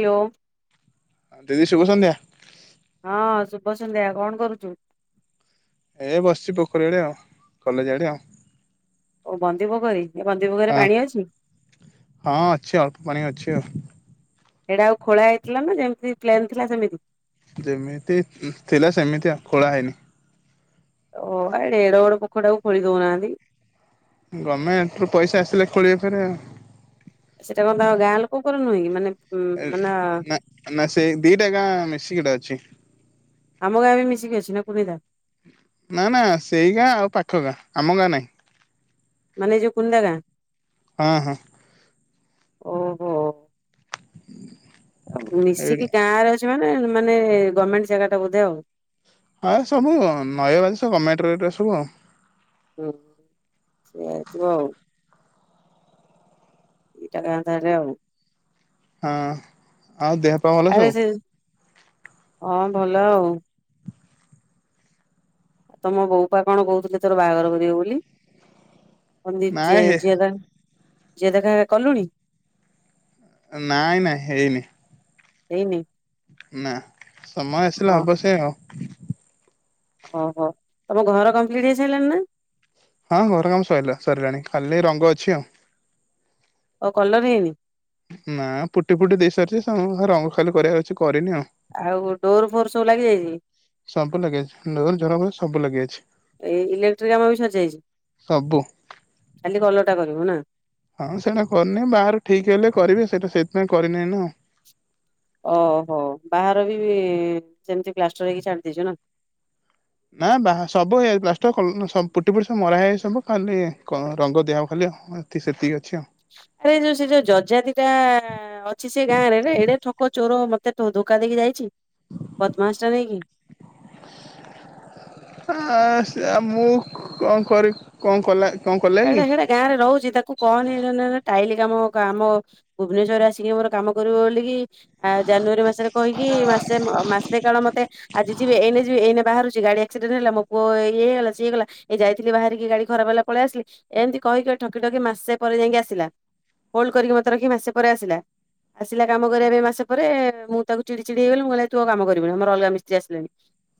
Hello. ଦିଦି ଶୁଭସନ୍ଧ୍ୟା। ହଁ ଶୁଭସନ୍ଧ୍ୟା କଣ କରୁଛୁ? ଏ ବସିଛି ପୋଖରୀ ଆଡ଼େ ଆଉ କଲେଜ ଆଡ଼େ ଆଉ। ଓ ବନ୍ଦୀ ପୋଖରୀ ଏ ବନ୍ଦୀ ପୋଖରୀରେ ହଁ ପାଣି ଅଛି? ହଁ ଅଛି ଅଳ୍ପ ପାଣି ଅଛି ଆଉ। ସେଇଟା ଆଉ ଖୋଳା ହେଇଥିଲା ନା ଯେମିତି ପ୍ଲେନ୍ ଥିଲା ସେମିତି। ଯେମିତି ଥିଲା ସେମିତି ଆଉ ଖୋଳା ହେଇନି। ଓ ଏଡ଼େ ବଡ଼ ପୋଖରୀ ଟାକୁ ଖୋଳି ଦଉନାହାନ୍ତି। ଗମେଣ୍ଟ ରୁ ପଇସା ଆସିଲେ ଖୋଳିବେ ଫେରେ ଆଉ। ସେଟା କଣ ତାଙ୍କ ଗାଁ ଲୋକଙ୍କର ନୁହଁ କି ମାନେ ଉଁ ମାନେ ନା ନା ସେଇ ଦିଟା ଗାଁ ମିଶିକି ଏଟା ଅଛି। ଆମ ଗାଁ ବି ମିଶିକି ଅଛି ନା କୁନିଦା। ନା ନା ସେଇ ଗାଁ ଆଉ ପାଖ ଗାଁ ଆମ ଗାଁ ନାହିଁ। ମାନେ ଯୋଉ କୁନିଦା ଗାଁ। ହଁ ହଁ। ଓହୋ। ଆଉ ଏଇଠି ମିଶିକି ଗାଁ ରେ ଅଛି ମାନେ ମାନେ ଗମେଣ୍ଟ ଜାଗା ଟା ବୋଧେ ଆଉ। ହଁ ସବୁ ନଈବାଦ ସବୁ ଗମେଣ୍ଟର ଏଗୁଡା ସବୁ ଆଉ। ହୁଁ ସେଇଆ ହେଇଥିବ ଆଉ। ଦିଟା ଗାଁ ତାହେଲେ ଆଉ। ହଁ। ହଉ ଦେହ ପା ଭଲ। ଆରେ ସବୁ? ସେ ହଁ ଭଲ ଆଉ। ତମ ବୋଉପା କଣ କହୁଥିଲେ ତୋର ବାହାଘର କରିବେ ବୋଲି। ମନ୍ଦୀପ ନାଇଁ ଯେ ହେ ଝିଅ ଦେଖା ଝିଆ ଦେଖା କଲୁଣି। ନାଇଁ ନାଇଁ ହେଇନି। ହେଇନି। ନା ସମୟ ଓ ଆସିଲେ ହବ ସେ ଆଉ। ଓହୋ ତମ ଘର କମ୍ପ୍ଲିଟ୍ ହେଇ ସାରିଲଣି ନା। ହଁ ଘର କାମ ସରିଲା ସରିଲାଣି କାଲି ରଙ୍ଗ ଅଛି ଆଉ। ଆଉ କଲର ହେଇନି? ନା ପୁଟି ଫୁଟି ଦେଇସାରିଚି ରଙ୍ଗ ଖାଲି କରିବାର ଅଛି କରିନି ଆଉ। ଆଉ ଡୋର ଫୋର ସବୁ ଲାଗିଯାଇଚି? ସବୁ ଲାଗି ଯାଇଛି ଡୋର, ଝରକା ସବୁ ଲାଗି ଯାଇଛି। ଏଇ ଇଲେକ୍ଟ୍ରିକ କାମ ବି ସରିଯାଇଛି ସବୁ। ଖାଲି କଲରଟା କରିବୁ ନା? ହଁ ସେଇଟା କରିନି ବାହାର ଠିକ ହେଲେ କରିବି ସେଇଟା ସେଇଥିପାଇଁ କରିନି ଏଇନା ଆଉ। ଓହୋ ବାହାର ବି ସେମିତି ପ୍ଲାଷ୍ଟର ହେଇକି ଛାଡିଦେଇଚୁ ନା। ନା ବା ସବୁଇ ପ୍ଲାଷ୍ଟର କଲ୍ ସ ପୁଟି ପୁଟି ସବୁ ମରାହଇ ସବୁ ଖାଲି ରଙ୍ଗ ଦିଆହବ ଖାଲି। ତିକି ସେତିକି ଅଛି ଆଉ। ଆରେ ଯୋଉ ସେ ଯୋଉ ଜଜାତିଟା ଅଛି ସେ ଗାଁରେ ଏଇଡେ ଠକ ଚୋର ମତେ ଧୋକା ଦେଇକି ଯାଇଚି ବଦ୍ମାସ ଟା ନେଇକି। [inaudible] ଆ ସେ ମୁଁ କଣ କରି କଣ କରଲା ଏଇଟା ସେଇଟା ଗାଁ ରେ ରହୁଚି ତାକୁ କହନି ନି ନି ଟାଇଲି କାମ କାମ ଭୁବନେଶ୍ୱରେ ଆସିକି ମୋର କାମ କରିବ ବୋଲିକି ଆ ଜାନୁଆରୀ ମାସରେ କହିକି ମାସେ ମାସେ କାଳ ମତେ ଆଜି ଯିବି ଏଇନ ଯିବି ଏନେ ବାହାରୁଚି ଗାଡି ଆକ୍ସିଡେଣ୍ଟ ହେଲା ମୋ ପୁଅ ଇଏ ହେଇଗଲା ସିଏ ହେଇଗଲା। ଏ ଯାଇଥିଲି ବାହାରିକି ଗାଡି ଖରାପ ହେଲା ପଳେଇ ଆସିଲି ଏମିତି କହିକି ଠକି ଠକି ମାସେ ପରେ ଯାଇକି ଆସିଲା। ହୋଲ୍ଡ କରିକି ମୋତେ ରଖିକି ମାସେ ପରେ ଆସିଲା। ଆସିଲା କାମ କରିବା ପାଇଁ ମାସ ପରେ ମୁଁ ତାକୁ ଚିଡି ଚିଡି ହେଇଗଲି ମୁଁ କହିଲି ତୁ ଆଉ କାମ କରିବୁନୁ ଆମର ଅଲଗା ମିସ୍ତ୍ରୀ ଆସିଲେଣି।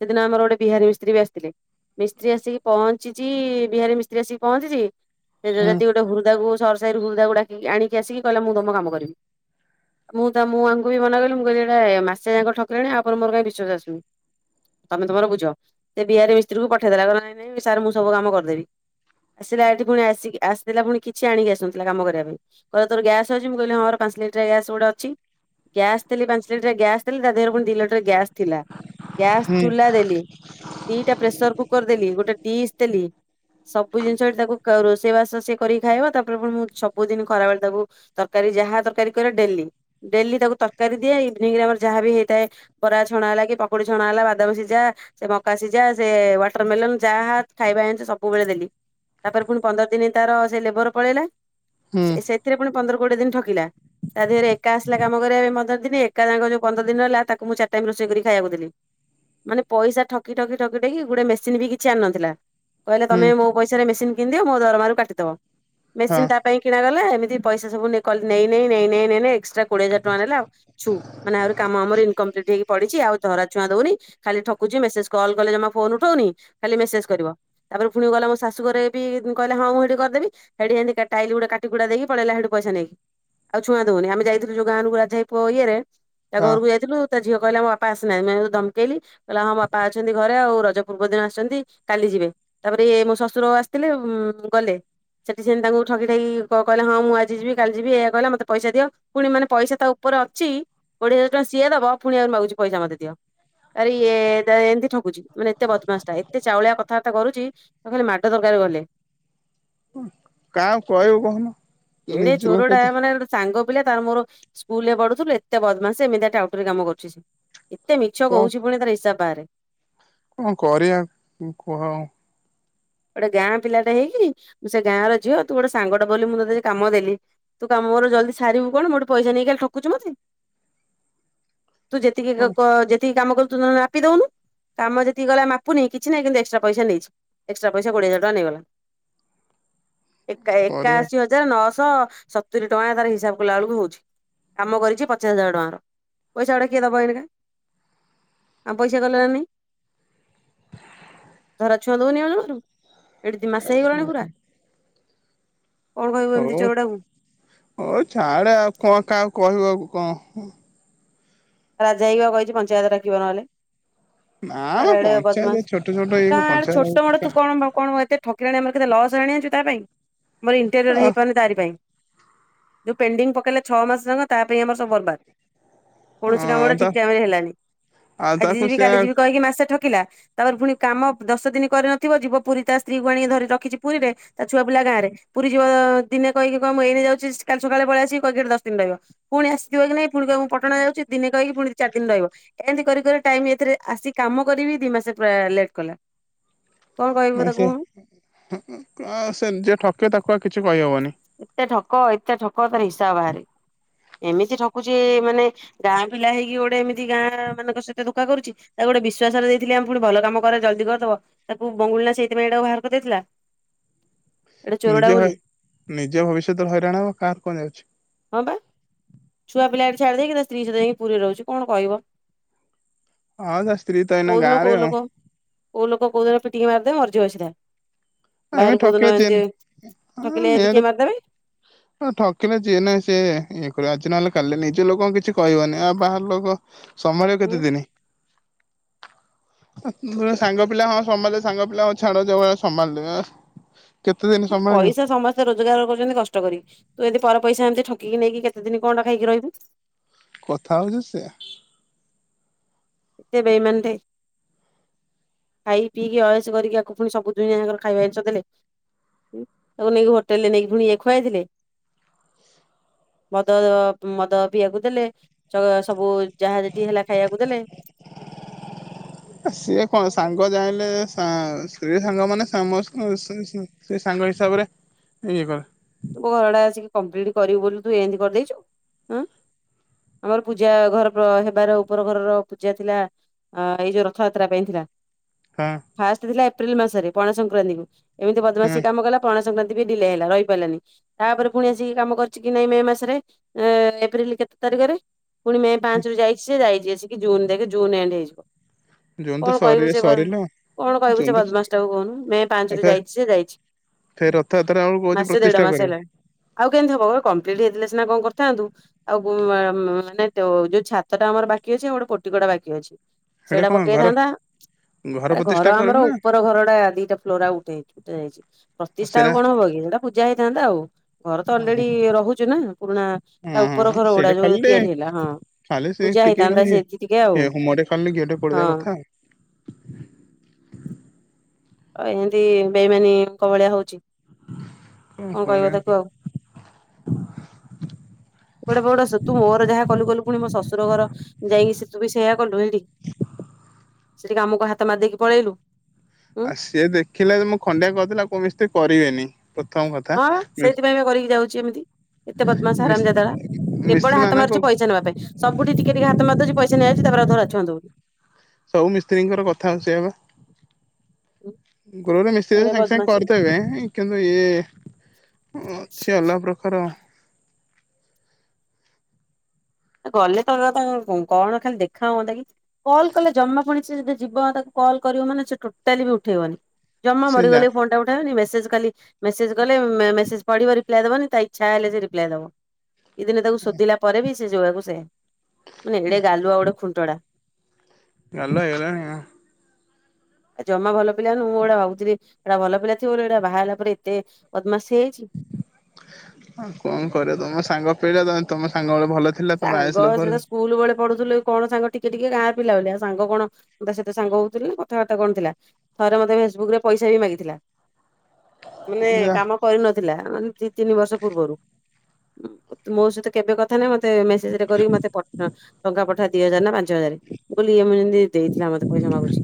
ସେଦିନ ଆମର ଗୋଟେ ବିହାରୀ ମିସ୍ତ୍ରୀ ବି ଆସିଥିଲେ। ମିସ୍ତ୍ରୀ ଆସିକି ପହଞ୍ଚିଛି ବିହାରୀ ମିସ୍ତ୍ରୀ ଆସିକି ପହଞ୍ଚିଚି ସେ ହୁଁ ଯଯାତି ଗୋଟେ ହୃଦାକୁ ସରସାଇ ରୁ ହୃଦକୁ ଡାକି ଆଣିକି ଆସିକି କହିଲେ ମୁଁ ତମ କାମ କରିବି। ମୁଁ ତମ ଆଙ୍କୁ ବି ମନା କିଲ ମୁଁ କହିଲି ଏଟା ମାସେ ଯାକ ଠକଲାଣି ଆ ଉପରେ ମୋର ବିଶ୍ୱାସ ଆସୁନି। ତମେ ତମର ବୁଝ। ସେ ବିହାରି ମିସ୍ତ୍ରୀକୁ ପଠେଇଦେଲା, କହିଲା ସାର ମୁଁ ସବୁ କାମ କରିଦେବି। ଆସିଲା ଏଠି ପୁଣି ଆସିକି ଆସିଥିଲା ପୁଣି କିଛି ଆଣିକି ଆସିନଥିଲା କାମ କରିବା ପାଇଁ। କହିଲା ତୋ ଗ୍ୟାସ୍ ଅଛି ହଁ ମୁଁ କହିଲିର ପାଞ୍ଚ ଲିଟର ଗ୍ୟାସ୍ ଗୋଟେ ଅଛି। ଗ୍ୟାସ୍ ଦେଲି ପାଞ୍ଚ ଲିଟର ଗ୍ୟାସ ଦେଲି ତା ଦେହରେ ପୁଣି ଦି ଲିଟର ଗ୍ୟାସ୍ ଥିଲା ଗ୍ୟାସ୍ ହୁଁ ଚୁଲା ଦେଲି। ଦିଟା ପ୍ରେସର କୁକର ଦେଲି ଗୋଟେ ଡିସ୍ ଦେଲି ସବ ବୁ ଜିନଷ ତାକୁ ରୋଷେଇବାସୋଷେଇ କରିକ ଖାଇବ ତାପରେ ପ ମୁଁ ସବୁଦିନ ଖରା ବଳେ ତାକୁ ତରକାରୀ ଯାହା ତରକାରୀ କରେ ଡେଲି ଡେଲି ତାକୁ ତରକାରୀ ଦିଏ ଇଭିନିଂ ରେ ଆମର ଯାହା ବିି ହେଇଥାଏ ବରା ଛଣା ହେଲା କି ପକୁଡି ଛଣା ହେଲା ବାଦବ ସିଝା - ସେ ମକା ସିଝା ସେ ୱାଟରମେଲନ ଯାହା ଖାଇବା ଜିନିଷ ସବୁବେଳେ ଦେଲି। ତାପରେ ପୁଣି ପନ୍ଦର ଦିନ ତାର ସେ ଲେବର ପଳେଇଲା ହୁଁ ସେଥିରେ ପୁଣି ପନ୍ଦରରୁ କୋଡିଏ ଦିନ ଠକିଲା। ତା ଦେହରେ ଏକା ଆଶିଥିଲା କାମ କରିବାପାଇଁ ପନ୍ଦର ଦିନ ଏକାଙ୍କା ଯୋଉ ପନ୍ଦର ଦିନ ରହିଲା ତାକୁ ମୁଁ ଚାରି ଟାଇମ୍ ରୋଷେଇ କରି ଖାଇବାକୁ ଦେଲି। ମାନେ ପଇସା ଠକି ଠକି ଠକି ଗୋଟେ ମେସିନ ବି କିଛି ଆଣିନଥିଲା। କହିଲେ ହୁଁ ତମେ ମୋ ପଇସାରେ ମେସିନ କିଣିିଦିଅ ମୋ ଦରମାରୁ କାଟିଦବ ହଁ ମେସିନ ତା ପାଇଁ କିଣା ଗଲା ଏମିତି ପଇସା ସବୁ କଲା ନେଇ ନେଇ ନେଇ ଏକ୍ସଟ୍ରା କୋଡି ହଜାର ଟଙ୍କା ନେଲା। ଛୁ। ମାନେ କାମ ଆହୁରି ଆମ ଇନକମ୍ପ୍ଲିଟ୍ ହେଇି ପଡିଚି ଆଉ ଧରା ଛୁଁ ଦଉନି। ଖାଲି ଠକୁଚି ମେସେଜ କ୍ କଲେ ଜମା ଫୋନ ଉଠଉନି ଖାଲି ମେସେଜ ତାପରେ ପୁଣି ଗଲେ ମୋ ସାସ୍ ଶୁ ଘରେ ବି କହିଲା ହଁ ମୁଁ ଏଇଠି କରିଦେବି ସେଠି ଶେନ୍ତି ଟାଇଲ କାଟିକୁଟା ଦେଇକି ପଳେଇଲା ସେଠି ପଇସା ନେଇକି। ଆଉ ଛୁଆଁ ଦଉନି ଆମେ ଯାଇଥିଲୁ ଯୋଉ ଗାଁକୁ ରାଜା ହେଇ ପୁ ଇଏରେ ତା ହଁ ଘରକୁ ଯାଇଥିଲୁ। ତା ଝିଅ କହିଲା ମୋ ବାପା ଆସିନାହାନ୍ତି ମୁଁ ଧମକେଇଲି। କହିଲା ହଁ ବାପା ଅଛନ୍ତି ଘରେ ଆଉ ରଜ ପୂର୍ବ ଦିନ ଆସଛନ୍ତି କାଲି ଯିବେ ତାପରେ ଇଏ ମୋ ଶଶୁର ଶଶୁର ଆସିଥିଲେ ଗଲେ। ସେଠି ସେନ୍ତି ତାକୁ ଠକି ଠାକି କହିଲା ହଁ ମୁଁ ଆଜି ଯିବି କାଲି ଯିବି ଏହା କଇଲା ମତେ ପଇସା ଦିଅ। ପୁଣି ମାନେ ପଇସା ତା ଉପରେ ଅଛି କୋଡିଏ ହଜାର ଟଙ୍କା ସିଏ ଦବ ପୁଣି ଆହୁରି ମାଗୁଛି ପଇସା ମତେ ଦିଅ। ଆରେ ଇ ଏମିତି ଠକୁଛି ମାନେ ଏତେ ବଦମାସ ଟା ଏତେ ଚାଉଳିଆ କଥାବାର୍ତା କରୁଚି। କୁ ଖାଲି ମାଡ ଡ ଦରକାର ଗଲେ। ଅଁ କାଉ କଇଉ କଉନ ଏଡେ ନିଜ ଚୋରଟା ଲୋକ ତ ମାନେ ଗୋଟେ ସାଙ୍ଗ ପିଲା ତାର ମୋର ସ୍କୁଲ୍ ରେ ପଢୁଥୁଲୁ ଏତେ ବଦମାସୀ ଏମିତିଆ ଟାଉଟରି କାମ କରୁଚି ସିଏ। ଏତେ ମିଛ କହୁଛି ପୁଣି ତାର ହିସାବ ବାହାରେ। କଁ କରିଆ କୁ କୁହ ଆଉ? ଓଟେ ଗାଁ ପିଲାଟେ ହେଇକି ମୁଁ ସେ ଗାଁର ଝିଅ ତୁ ଗୋଟେ ସାଙ୍ଗଟେ ବୋଲି ମୁଁ ତତେ ଏ କାମ ଦେଲି। ତୁ କାମ ମୋର ଜଲ୍ଦୀ ସାରିବୁ କଣ ମୋଠୁ ପଇସା ନେଇକି ଖାଲି ଠକୁଚୁ ମତେ? ତୁ ଯେତିକି କଣ ଗକ ଯେ ତିି କାମ କଲୁ ତୁ ନହେନେ ମାପି ଦଉନୁ କାମ ଯେତିକି ଗଲା ମାପୁନେଇ କିଛି ନାହିଁ କିନ୍ତୁ ଏସଟ୍ରା ପଇସା ନେଇଚି। ଏକ୍ସଟ୍ରା ପଇସା କୋଡ଼ିଏ ହଜାର ଟଙ୍କା ନେଇଗଲା ଏକା କରିବା ଏକାଅଶି ହ ଜାର ନଅଶ ସତୁରି ଟଙ୍କା ତାର ହିସାବ କଲା ଅଳୁକୁ ହଉଛି। କାମ କରିଛି ପଚାଶ ହଜାର ଟଙ୍କାର ପଇସା ଅଡ଼ା କିଏ ଦବ ଏଇନିକା? ଆମ ପଇସା ଗଲା ନା ନାଇ? ଧରା ଛୁଆ ଦୋଉନେଇ ଆଳରୁ ଏଠି ଦି ମାସେ ହେଇଗଲାଣି ପୁରା। ହଉ କଣ କହିବୁ ଏମିତି ଚୋରାଟାକୁ? ହ ଛାଡ଼େ ଆଉ କଁ କାହା କହିବାକୁ କଁ? ରାଜା ହାଇକି ବା କହିଚି ପଞ୍ଚାୟତ ଡାକିବ ନହେଲେ। ନା ମ ଆରା ଏଡ଼େ ପଞ୍ଚାୟତ ବଦମାସ୍ ଛୋଟ ଛୋଟ ଆ ଇଏ କା ଆଡ଼େ ପଞ୍ଚାୟତ ଛୋଟ ମଡ଼ ତୁ କଣ ବା କଣ ବା କେ ଠକିଲାଣି ଆମର କେତେ ଲସ୍ ହେଣି ଆଣିଚୁ ତା ପାଇଁ ଆମର ଇଣ୍ଟେରିୟର୍ ହେଇପାରୁନି ତାରି ପାଇଁ। ଯୋଉ ପେଣ୍ଡିଙ୍ଗ୍ ପକେଇଲା ଛ ମାସ ଜାଙ୍କ ତା ପାଇଁ ଆମର ସବୁ ବର୍ବାଦ। ଆ କୌଣସି କାମ ଉଡ଼ା ତା ଠିକ୍ ଟାଇମ୍ ରେ ହେଲାନି। ଆଉ ଆଜି ତାକୁ ଯିବି ସେ କାଲି ଯିବି କହିକି ମାସେ ଠ କିଲା ତାପରେ ଫୁଣି କାମ ଦଶ ଦିନି କରିନଥିବ ଯିବ ପୁରୀ ତା ସ୍ତ୍ରୀକୁ ଆଣିକି ଧରି ରଖିଚି ପୁରୀରେ ତା ଛୁଆ ପିଲା ଗାଁରେ ପୁରୀ ଯିବ ଦିନେ କହିକି କ ମୁଁ ଏଇନେ ଯାଉଚି କାଲି ସକାଳେ ପଳିଆସି କହିକି ହେଠି ଦଶ ଦିନ ରହିବ। ପୁଣି ଆସିଥିବ କି ନାଇଁ ପୁଣି କହିବ ମୁଁ ପଟଣା ଯାଉଚି ଦିନେ କହିକି ପୁଣି ଚାରି ଦିନ ରହିବ। ଏନ୍ତି କରି କରି ଟାଇମ୍ ଏଇଥିରେ ଆସି କାମ କରି ବି ଦି ମାସେ ପ୍ରାୟ ଲେଟ୍ କଲା। କଣ କହିବୁ ନାଇଁ ତାକୁ ସେ କହୁନୁ ଉଁ ଉଁ ଆ ସେ ଯିଏ ଠକେ ତାକୁ ଆଉ କିଛି କହିହବନି। ଏତେ ଠକ ଏତେ ଠକ ତାର ହିସାବ ବାହାରେ ଏମିତି ଠକୁଚି ମାନେ ଗାଁ ପିଲା ହେଇକି ଗୋଟେ ଏମିତି ଗାଁମାନଙ୍କ ସହିତ ଧୋକା କରୁଚି। ତା ଗୋଟେ ବିଶ୍ଵାସରେ ଦେଇଥିଲେ ଆମ ପୁଣି ଭଲ କାମ କରେ ଜଲ୍ଦୀ କରିଦବ। ତାକୁ ବଙ୍ଗୁଳି ନା ସେଇଥିପାଇଁ ଏଟାକୁ ବାହାର କରିଦେଇଥିଲା। ଏଟା ଚୋରଟା ନିଜେ ବୋଲି ହଏ ନିଜେ ଭବିଷ୍ୟତରେ ହଇରାଣ ହବ କାହାର କଣ ଯାଉଛି? ହଁ ପା ଛୁଆ ପିଲା ହେଟି ଛାଡ଼ି ଦେଇେଇକିନା ତ୍ରୀ ସ ଯାଇକି ପୁରୀ ରହୁଚି କଣ କହିବ? ହଁ ତା ସ୍ତ୍ରୀ ତ ଏଇନା କୋଉଦିନ କୋଉ ଗାଁରେ ଆଉ। ଲୋକ କୋଉ ଲୋକ କୋଉ ଦିନ ପିିଟିକି ମାରିଦେବେ ମରଯିବ ସିଧା। ଆମେ ବାହାରୁ କୋଉଦିନ ଠକିଲେ ଯିଏ ଏନ୍ତି ଠକିଲେ ଏଦି କିଏ ମାରିଦେବେ? ହଁ ଠକିଲା ଯିଏ ନାଇଁ ସିଏ ଇଏ କରିଅ ଆଜି ନହେଲେ କାଲି ନିଜ ଲୋକଙ୍କୁ କିଛି କହିବନି ଆଉ ବାହାର ଲୋକ ସମରେ ହୁଁ କେତେ ଦିନି? ପ ବ ସାଙ୍ଗ ପିଲା ହଁ ସମତେ ସାଙ୍ଗ ପିଲା ହଉ ଛାଡ଼ ଯୋଉ ହେ ସମାନ। ଅଁ ହଁ ପଇସା ସମ ତ ରୋଜଗାର କରୁଚନ୍ତି କଷ୍ଟ କରି ତୁ ଅଦି ପର ପଇସା ଏନ୍ତି ଠକିକି ନେଇକି କେତ ଦିନି କଣ୍ଟା ଖାଇକି ରହିବୁ? କଥା ହଉଚି ସେଇଆ। ଏ ବେଇମାନଟେ। ଖାଇ ପିଇକି ଅଏସ କରିକି ଆକୁ ଫୁଣି ସବୁ ଦୁନିଆ ଯାକର ଖାଇବା ଜିନିଷ ଦେଲେ। ତାକୁ ନେଇକି ହୋଟେଲ୍ ରେ ନେଇକି ଫୁଣି ଇଏ ଖୁଆଇଥିଲେ। ମଦ ମଦ ପିଇଆକୁ ଦେଲେ ଚ ସବୁ ଯାହା ଯେତି ହେଲା ଖାଇବାକୁ ଦେଲେ। ଏ ସିଏ କଣ ସାଙ୍ଗ ଜାଇଁଲେ ସା ସ୍ତ୍ରୀ ସାଙ୍ଗ ମାନେ ସମସ୍କ ମିଶଚନ୍ତି ସିଏ ସାଙ୍ଗ ହିସାବରେ ଇଏ କରେ। ତୁ ମୋ ଘରଟା ଆସିକି କମ୍ପ୍ଲିଟ୍ କରିବୁ ବୋଲି ତୁ ଏନ୍ତି କରିଦେଇଚୁ ଉଁ? ଆମର ପୂଜା ଘର ପ୍ର ହେବାର ଉପର ଘରର ପୂଜା ଥିଲା ଅ ଏଇ ଯୋଉ ରଥଯାତ୍ରା ପାଇଁ ଥିଲା। ହଁ। ଫାଷ୍ଟ ଥିଲା ଏପ୍ରିଲ ମାସରେ ପଣା ସଂକ୍ରାନ୍ତିକୁ ଏମିତି ହଁ ବଦମାସୀ କାମ କଲା ପଣା ସଂକ୍ରାନ୍ତି ବି ଡିଲେ ହେଲା ରହିପାରିଲାନି। ତାପରେ ପୁଣି ଆସିକି କାମ କରିଛି କି ନାଇଁ ମେ ମାସରେ ଏପ୍ରିଲ କେତେ ତାରିଖରେ ପୁଣି ମେ ପାଞ୍ଚରୁୁ ଯାଇଛି ସେ ଯାଇଛି ଆସିକି ଜୁନ ଦେଖେ ଜୁନ୍ ଏଣ୍ଡ ହେଇଯିବ। ଜୁନ କଣ ତ କହିବୁ ସର ସେ ସରିଲା ଆଉ। କଣ କହିବୁ ସେ ବଦମାସ ଟାକୁ କହୁନୁ, ମେ ପାଞ୍ଚରୁ ଯାଇଛି ସେ ଯାଇଛି। ଫେର୍ ରଥଯାତ୍ରା ବେଳକୁ କହୁଛି ମାସେ ଦେଢ ପ୍ରତିଷ୍ଠା ମାସ କରିବ। ହେଲାଣି ଆଉ କେମିତି ହବ ଓ କମ୍ପ୍ଲିଟ ହେଇଥିଲେ ସିନା କଣ କରିଥାନ୍ତୁ। ଆଉ ମୁଁ ମ-ମ-ମାନେ ତ ଯୋଉ ଛାତ ଟା ଆମର ବାକି ଅଛି ଆଉ ଗୋଟେ ପୋଟିକଟା ବାକି ଅଛି। ହେଡେ ସେଇଟା କଣ ଘର ପକେଇଥାନ୍ତା। ଆରେ ପ୍ରତିଷ୍ଠା ଘର କରିବୁ ଆମର ନା ଉପର ଘରଟା ଦିଟା ଫ୍ଲୋର ଆଉ ଉଠେଇଚି ଉଠା ଯାଇଛି। ପ୍ରତିଷ୍ଠା ସେରା ଆଉ କଣ ହବ କି ସେଟା ପୂଜା ହେଇଥାନ୍ତା ଆଉ। ଘର ତ ଓହୋ ଅଲରେଡି ରହୁଛୁ ନା ପୁରୁଣା ହଁ ତା ଉପର ହଁ ଘର ଗୁଡା ସେଇଟା ଯୋଉ ଖାଲି ଟେ ତିଆରି ହେଲା ହଁ। ଖାଲି ସେ ପୂଜା ଟିକେ ହେଇଥାନ୍ତା ଖାଲି ସେଠି ଟିକେ ଏ ଆଉ ହୋମଟେ ଖାଲି ଗେଟେ ପଡିବା ହଁ। କଥା ଆଉ ଆଉ ଏମତି ବେଇମାନୀ ଙ୍କ ଭଳିଆ ହଉଛି, କଣ କହିବ ତାକୁ ଆଉ। [inaudible] ତୁ ମୋର ଯାହା କଲୁ କଲୁ ପୁଣି ମୋ ଶଶୁର ଘର ଯାଇକି ସେ ତୁ ବି ସେୟା କଲୁ ଏଇଟି, ସେଠିକି ଆମକୁ ହାତ ମାରିଦେଇକି ପଳେଇଲୁ। ଉଁ ଆଉ ସିଏ ଦେଖିଲା ଯେ ମୁଁ ଖଣ୍ଡିଆ କରିଦେଲେ ଆଉ କୋଉ ମିସ୍ତ୍ରୀ କରିବେନି। ପ୍ରଥମ କଥା ହଁ ସେଇଥିପାଇଁ ବା କରିକି ଯାଉଛି ଏମିତି। ଏତେ ମିସ୍ ବଦମାସ! ! ! ! ! ! ! ! ! ! ଟା ମିସ୍ତ୍ରୀ କେବଳ ହାତ ମାନଙ୍କ ମାରୁଛି ପଇସା ନେବା ପାଇଁ। ସବୁଠି ଟିକେ ଟିକେ ହାତ ମାରଦଉଛି ପଇସା ନେଇଯାଉଛି ତାପରେ ଆଉ ଧରା ଛୁଆଁ ଦଉନି। ସବୁ ମିସ୍ତ୍ରୀଙ୍କର କଥା ହଉଛି ସେଇଆ ପା। ଗୋଟେ ଗୋଟେ ମିସ୍ତ୍ରୀ ଏଣେ ସାଙ୍ଗେ ସାଙ୍ଗେ ବଦମାସି। କରିଦେବେ। କିନ୍ତୁ ଇଏ ଅଛି ଅଲଗା ପ୍ରକାର ଆଉ। ଗଲେ ତ ତା କଣ ଖାଲି ଦେଖା ହୁଅନ୍ତା କି। କଲ୍ କଲେ ଜମା ପୁଣି ସେ ଯଦି ଯିବ ତାକୁ କଲ୍ କରିବ ମାନେ ସେ ଟୋଟାଲି ବି ଉଠେଇବନି। ଜମା ସେ ଯା ମରିଗଲେ ବି ଫୋନ ଟା ଉ ବନି ମେସେଜ କଲି ମେସେଜ କଲେ ମେସେଜ ପଢିବ ରିପ୍ଲାଏ ଦବନି ତା ଇଚ୍ଛା ହେଲେ ସେ ରିପ୍ଲାଏ ଦବ। ଏଇ ଦିନେ ତାକୁ ଶୋଧିଲା ପରେ ବି ସେ ଯୋଆକୁ ସେଇଆ, ମାନେ ଏଡେ ଗାଲୁଆ ଗୋଟେ ଖୁଣ୍ଟଡା। ଗାଲୁଆ ହେଇଗଲାଣି ଆଉ। ଜମା ଭଲ ପିଲା ନୁହେଁ ମୁଁ ଏଉଢା ଭାବୁଥିଲି ଏଇଟା ଭଲ ପିଲା ଥିବ ବୋଲି, ଏଇଟା ବାହା ହେଲା ପରେ ଏତେ ବଦମାସ ହେଇଯାଇଛି। ଆଉ କଣ କରିବା ତମ ସାଙ୍ଗ ପିିଲା ତମ ସାଙ୍ଗ ବେଳେ ଭଲ ଥି ସାଙ୍ଗ ସେଟା ସ୍କୁଲ ବେଳେ ପଢୁଥିଲୁ କଣ ସାଙ୍ଗ ଟିକେ ଟିକେ ଗାଁ ପିଲା ବୋଲି, ସାଙ୍ଗ କଣ ତା ସାତେ ସାଙ୍ଗ ହଉଥିଲି ନା କଥାବାର୍ତ୍ତା କଣ ଥିଲା। ଥରେ ମତେ ଫେସବୁକ ରେ ପଇସା ବି ମାଗିଥିଲା, ମାନେ ଯା କାମ କରିନଥିଲା ମାନେ ଦି ତିନି ବର୍ଷ ପୂର୍ବରୁ, ମୋ ସହିତ କେବେ କଥା ନାହିଁ ମତେ ମତେ ମେସେଜରେ କରିକି ମୋତେ ଟଙ୍କା ପଠା ଦି ହଜାର ନା ପାଞ୍ଚ ହଜାର ମୁଁ କହଲି ଏଇ ମୁଁ ଯେମତି ଦେଇଥିଲା ମତେ ପଇସା ମାଗୁଛି।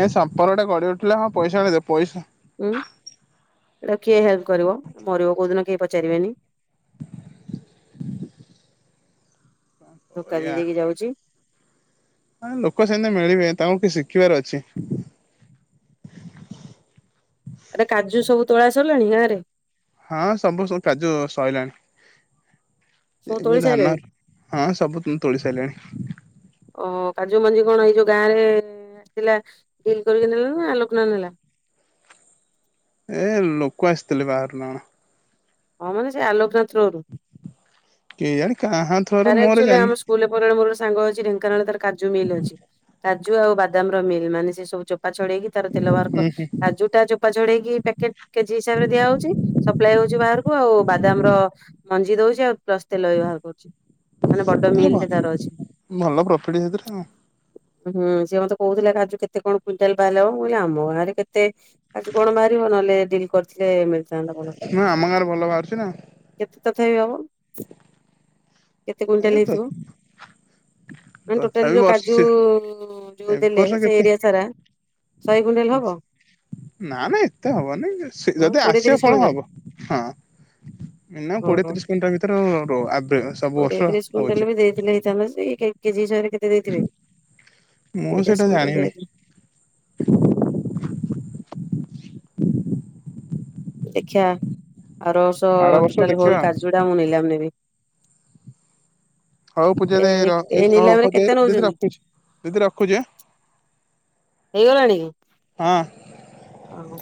ଏ ସମ୍ପର୍କଟା ଗଢି ଉଠିଲା ହଁ ପଇସା ଟା ଦେ ପଇସା ହୁଁ ଏଇଟାକୁ କିଏ ହେଲ୍ପ କରିବ, ମରିବ କୋଉ ଦିନ କେହି ପଚାରିବେନି। ଧୋକା ଦେଇ କରିବା। ଦେଇକି ଯାଉଛି। ଲୋକ ସେମିତି ମିଳିବେ ତାଙ୍କୁ କିଛି ଶିଖିବାର ଅଛି। ଆରେ କାଜୁ ସବୁ ତୋଳା ସରିଲାଣି ଗାଁ ରେ? ହଁ ସବୁ ସବୁ କାଜୁ ସଇଲାଣି। ସବୁ ତୋଳି ଏବେ ଧାନ ସାରିଲେଣି? ହଁ ସବୁ ତୋଳି ସାରିଲିଣି। ଓହ କାଜୁ ମଞ୍ଜି କଣ ଏଇ ଯୋଉ ଗାଁରେ ଥିଲା ଡିଲ୍ କରିକି ନେଲା ନା ଆଲୋକନା ନେଲା? ଏ ଲୋକ ଆସିଥିଲେ ବାହାରୁନା କଣ? ହଁ ମାନେ ସେ ଆଲୋକ ର ଥ୍ରୋରୁ। କେଇଆଣି କାହାନ୍ ଆରେ ଏକ୍ଚୁଲି ଆମ ସ୍କୁଲ୍ ରେ ପରା ମୋର ସାଙ୍ଗ ଅଛି ଢେଙ୍କାନାଳ ତାର କାଜୁ ମିଲ୍ ଅଛି। କାଜୁ ଆଉ ବାଦାମ ର ମିଲ୍ ମାନେ ସେ ସବୁ ଚୋପା ଛଡେଇକି ତାର ତେଲ ବାହାର କ, ହୁଁ କାଜୁଟା ଯୋ ଚୋପା ଛଡେଇକି ପ୍ୟାକେଟ୍ କେଜି ହିସାବରେ ଦିଆ ହଉଛି। ସପ୍ଲାଏ ହଉଛି ବାହାରକୁ। ଆଉ ବାଦାମ ର ମଞ୍ଜି ଦଉଛି ଆଉ ପ୍ଲସ୍ ତେଲ ବି ବାହାର କରୁଛି। ମାନେ ବଡ ମିଲ୍ ହୁଁ ଟେ ତାର ଅଛି। ଭଲ ପ୍ରଫିଟ ସେଥିରେ ଆଉ, ହୁଁ, ସିଏ ମୋତେ କହୁଥିଲା କାଜୁ କେତେ କଣ କୁଇଣ୍ଟାଲ ବାହାରଲେ ହବ। ମୁଁ କହିଲେ ଆମ ଗାଁରେ କେତେ କାଜୁ କଣ ବାହାରିବ ନହେଲେ ଡିଲ୍ କରିଥିଲେ ମିଳିଥାନ୍ତା ଭଲ। ନା ଆମ ଗାଁରେ ଭଲ ବାହାରୁଛି ନା, କେତେ ତଥାପି ହବ? କେତେ ଏ କୁଇଣ୍ଟାଲ ତ ହେଇଥିବ? ମାନେ ଟୋଟାଲି ତଥାପି ଯୋଉ ବର୍ଷ କାଜୁ ସେ ଏ ଯୋଉ ଦେଲେ ବର୍ଷ ସେ କେତେ ଏରିଆ ସାରା ଶହେ କୁଇଣ୍ଟାଲ ହବ? ନା ନା ଏତେ ହବନି, ଯୋ ସେ ହଁ ଯଦି କୋଡିଏ ତିରିଶ ଆସିବ ଫଳ କୁଇଣ୍ଟାଲ ହବ ହଁ। ନା କୋଡିଏ ଓହୋ ତିରିଶ କୁଇଣ୍ଟାଲ ଭିତରେ ଅ, ରଅ ଆବେ ଏ ସବୁ ବର୍ଷ ହଉଚି। ଥିଲେ ହେଇଥାନ୍ତା ଯେ ଏଇ କେ କେଜି ହିସାବରେ କେତେ ଦେଇଥିବେ? କୋଡିଏ ମୁଁ ତିରିଶ ସେଇଟା କୁଇଣ୍ଟାଲ ଜାଣିନି। ଦେଇଥିବେ ଦେଖିଆ ଆର ବର୍ଷ ଆର ଟୋଟାଲ ଦେଖିବା, ହୋଲ୍ କାଜୁ ଟା ମୁଁ ନିଲାମ ନେବି। ହଉ ପୂଜା ଏ ଦେଇ ର, ଏ ଏଇ ହଉ ନିଲାମରେ ହଉ କେତେ ଦେର ଦିଦି ନଉଛନ୍ତି ରଖୁଛି। ଦିଦି ରଖୁଚି ଆଁ। ହେଇଗଲାଣି? ହଁ। ଓ ହୋ।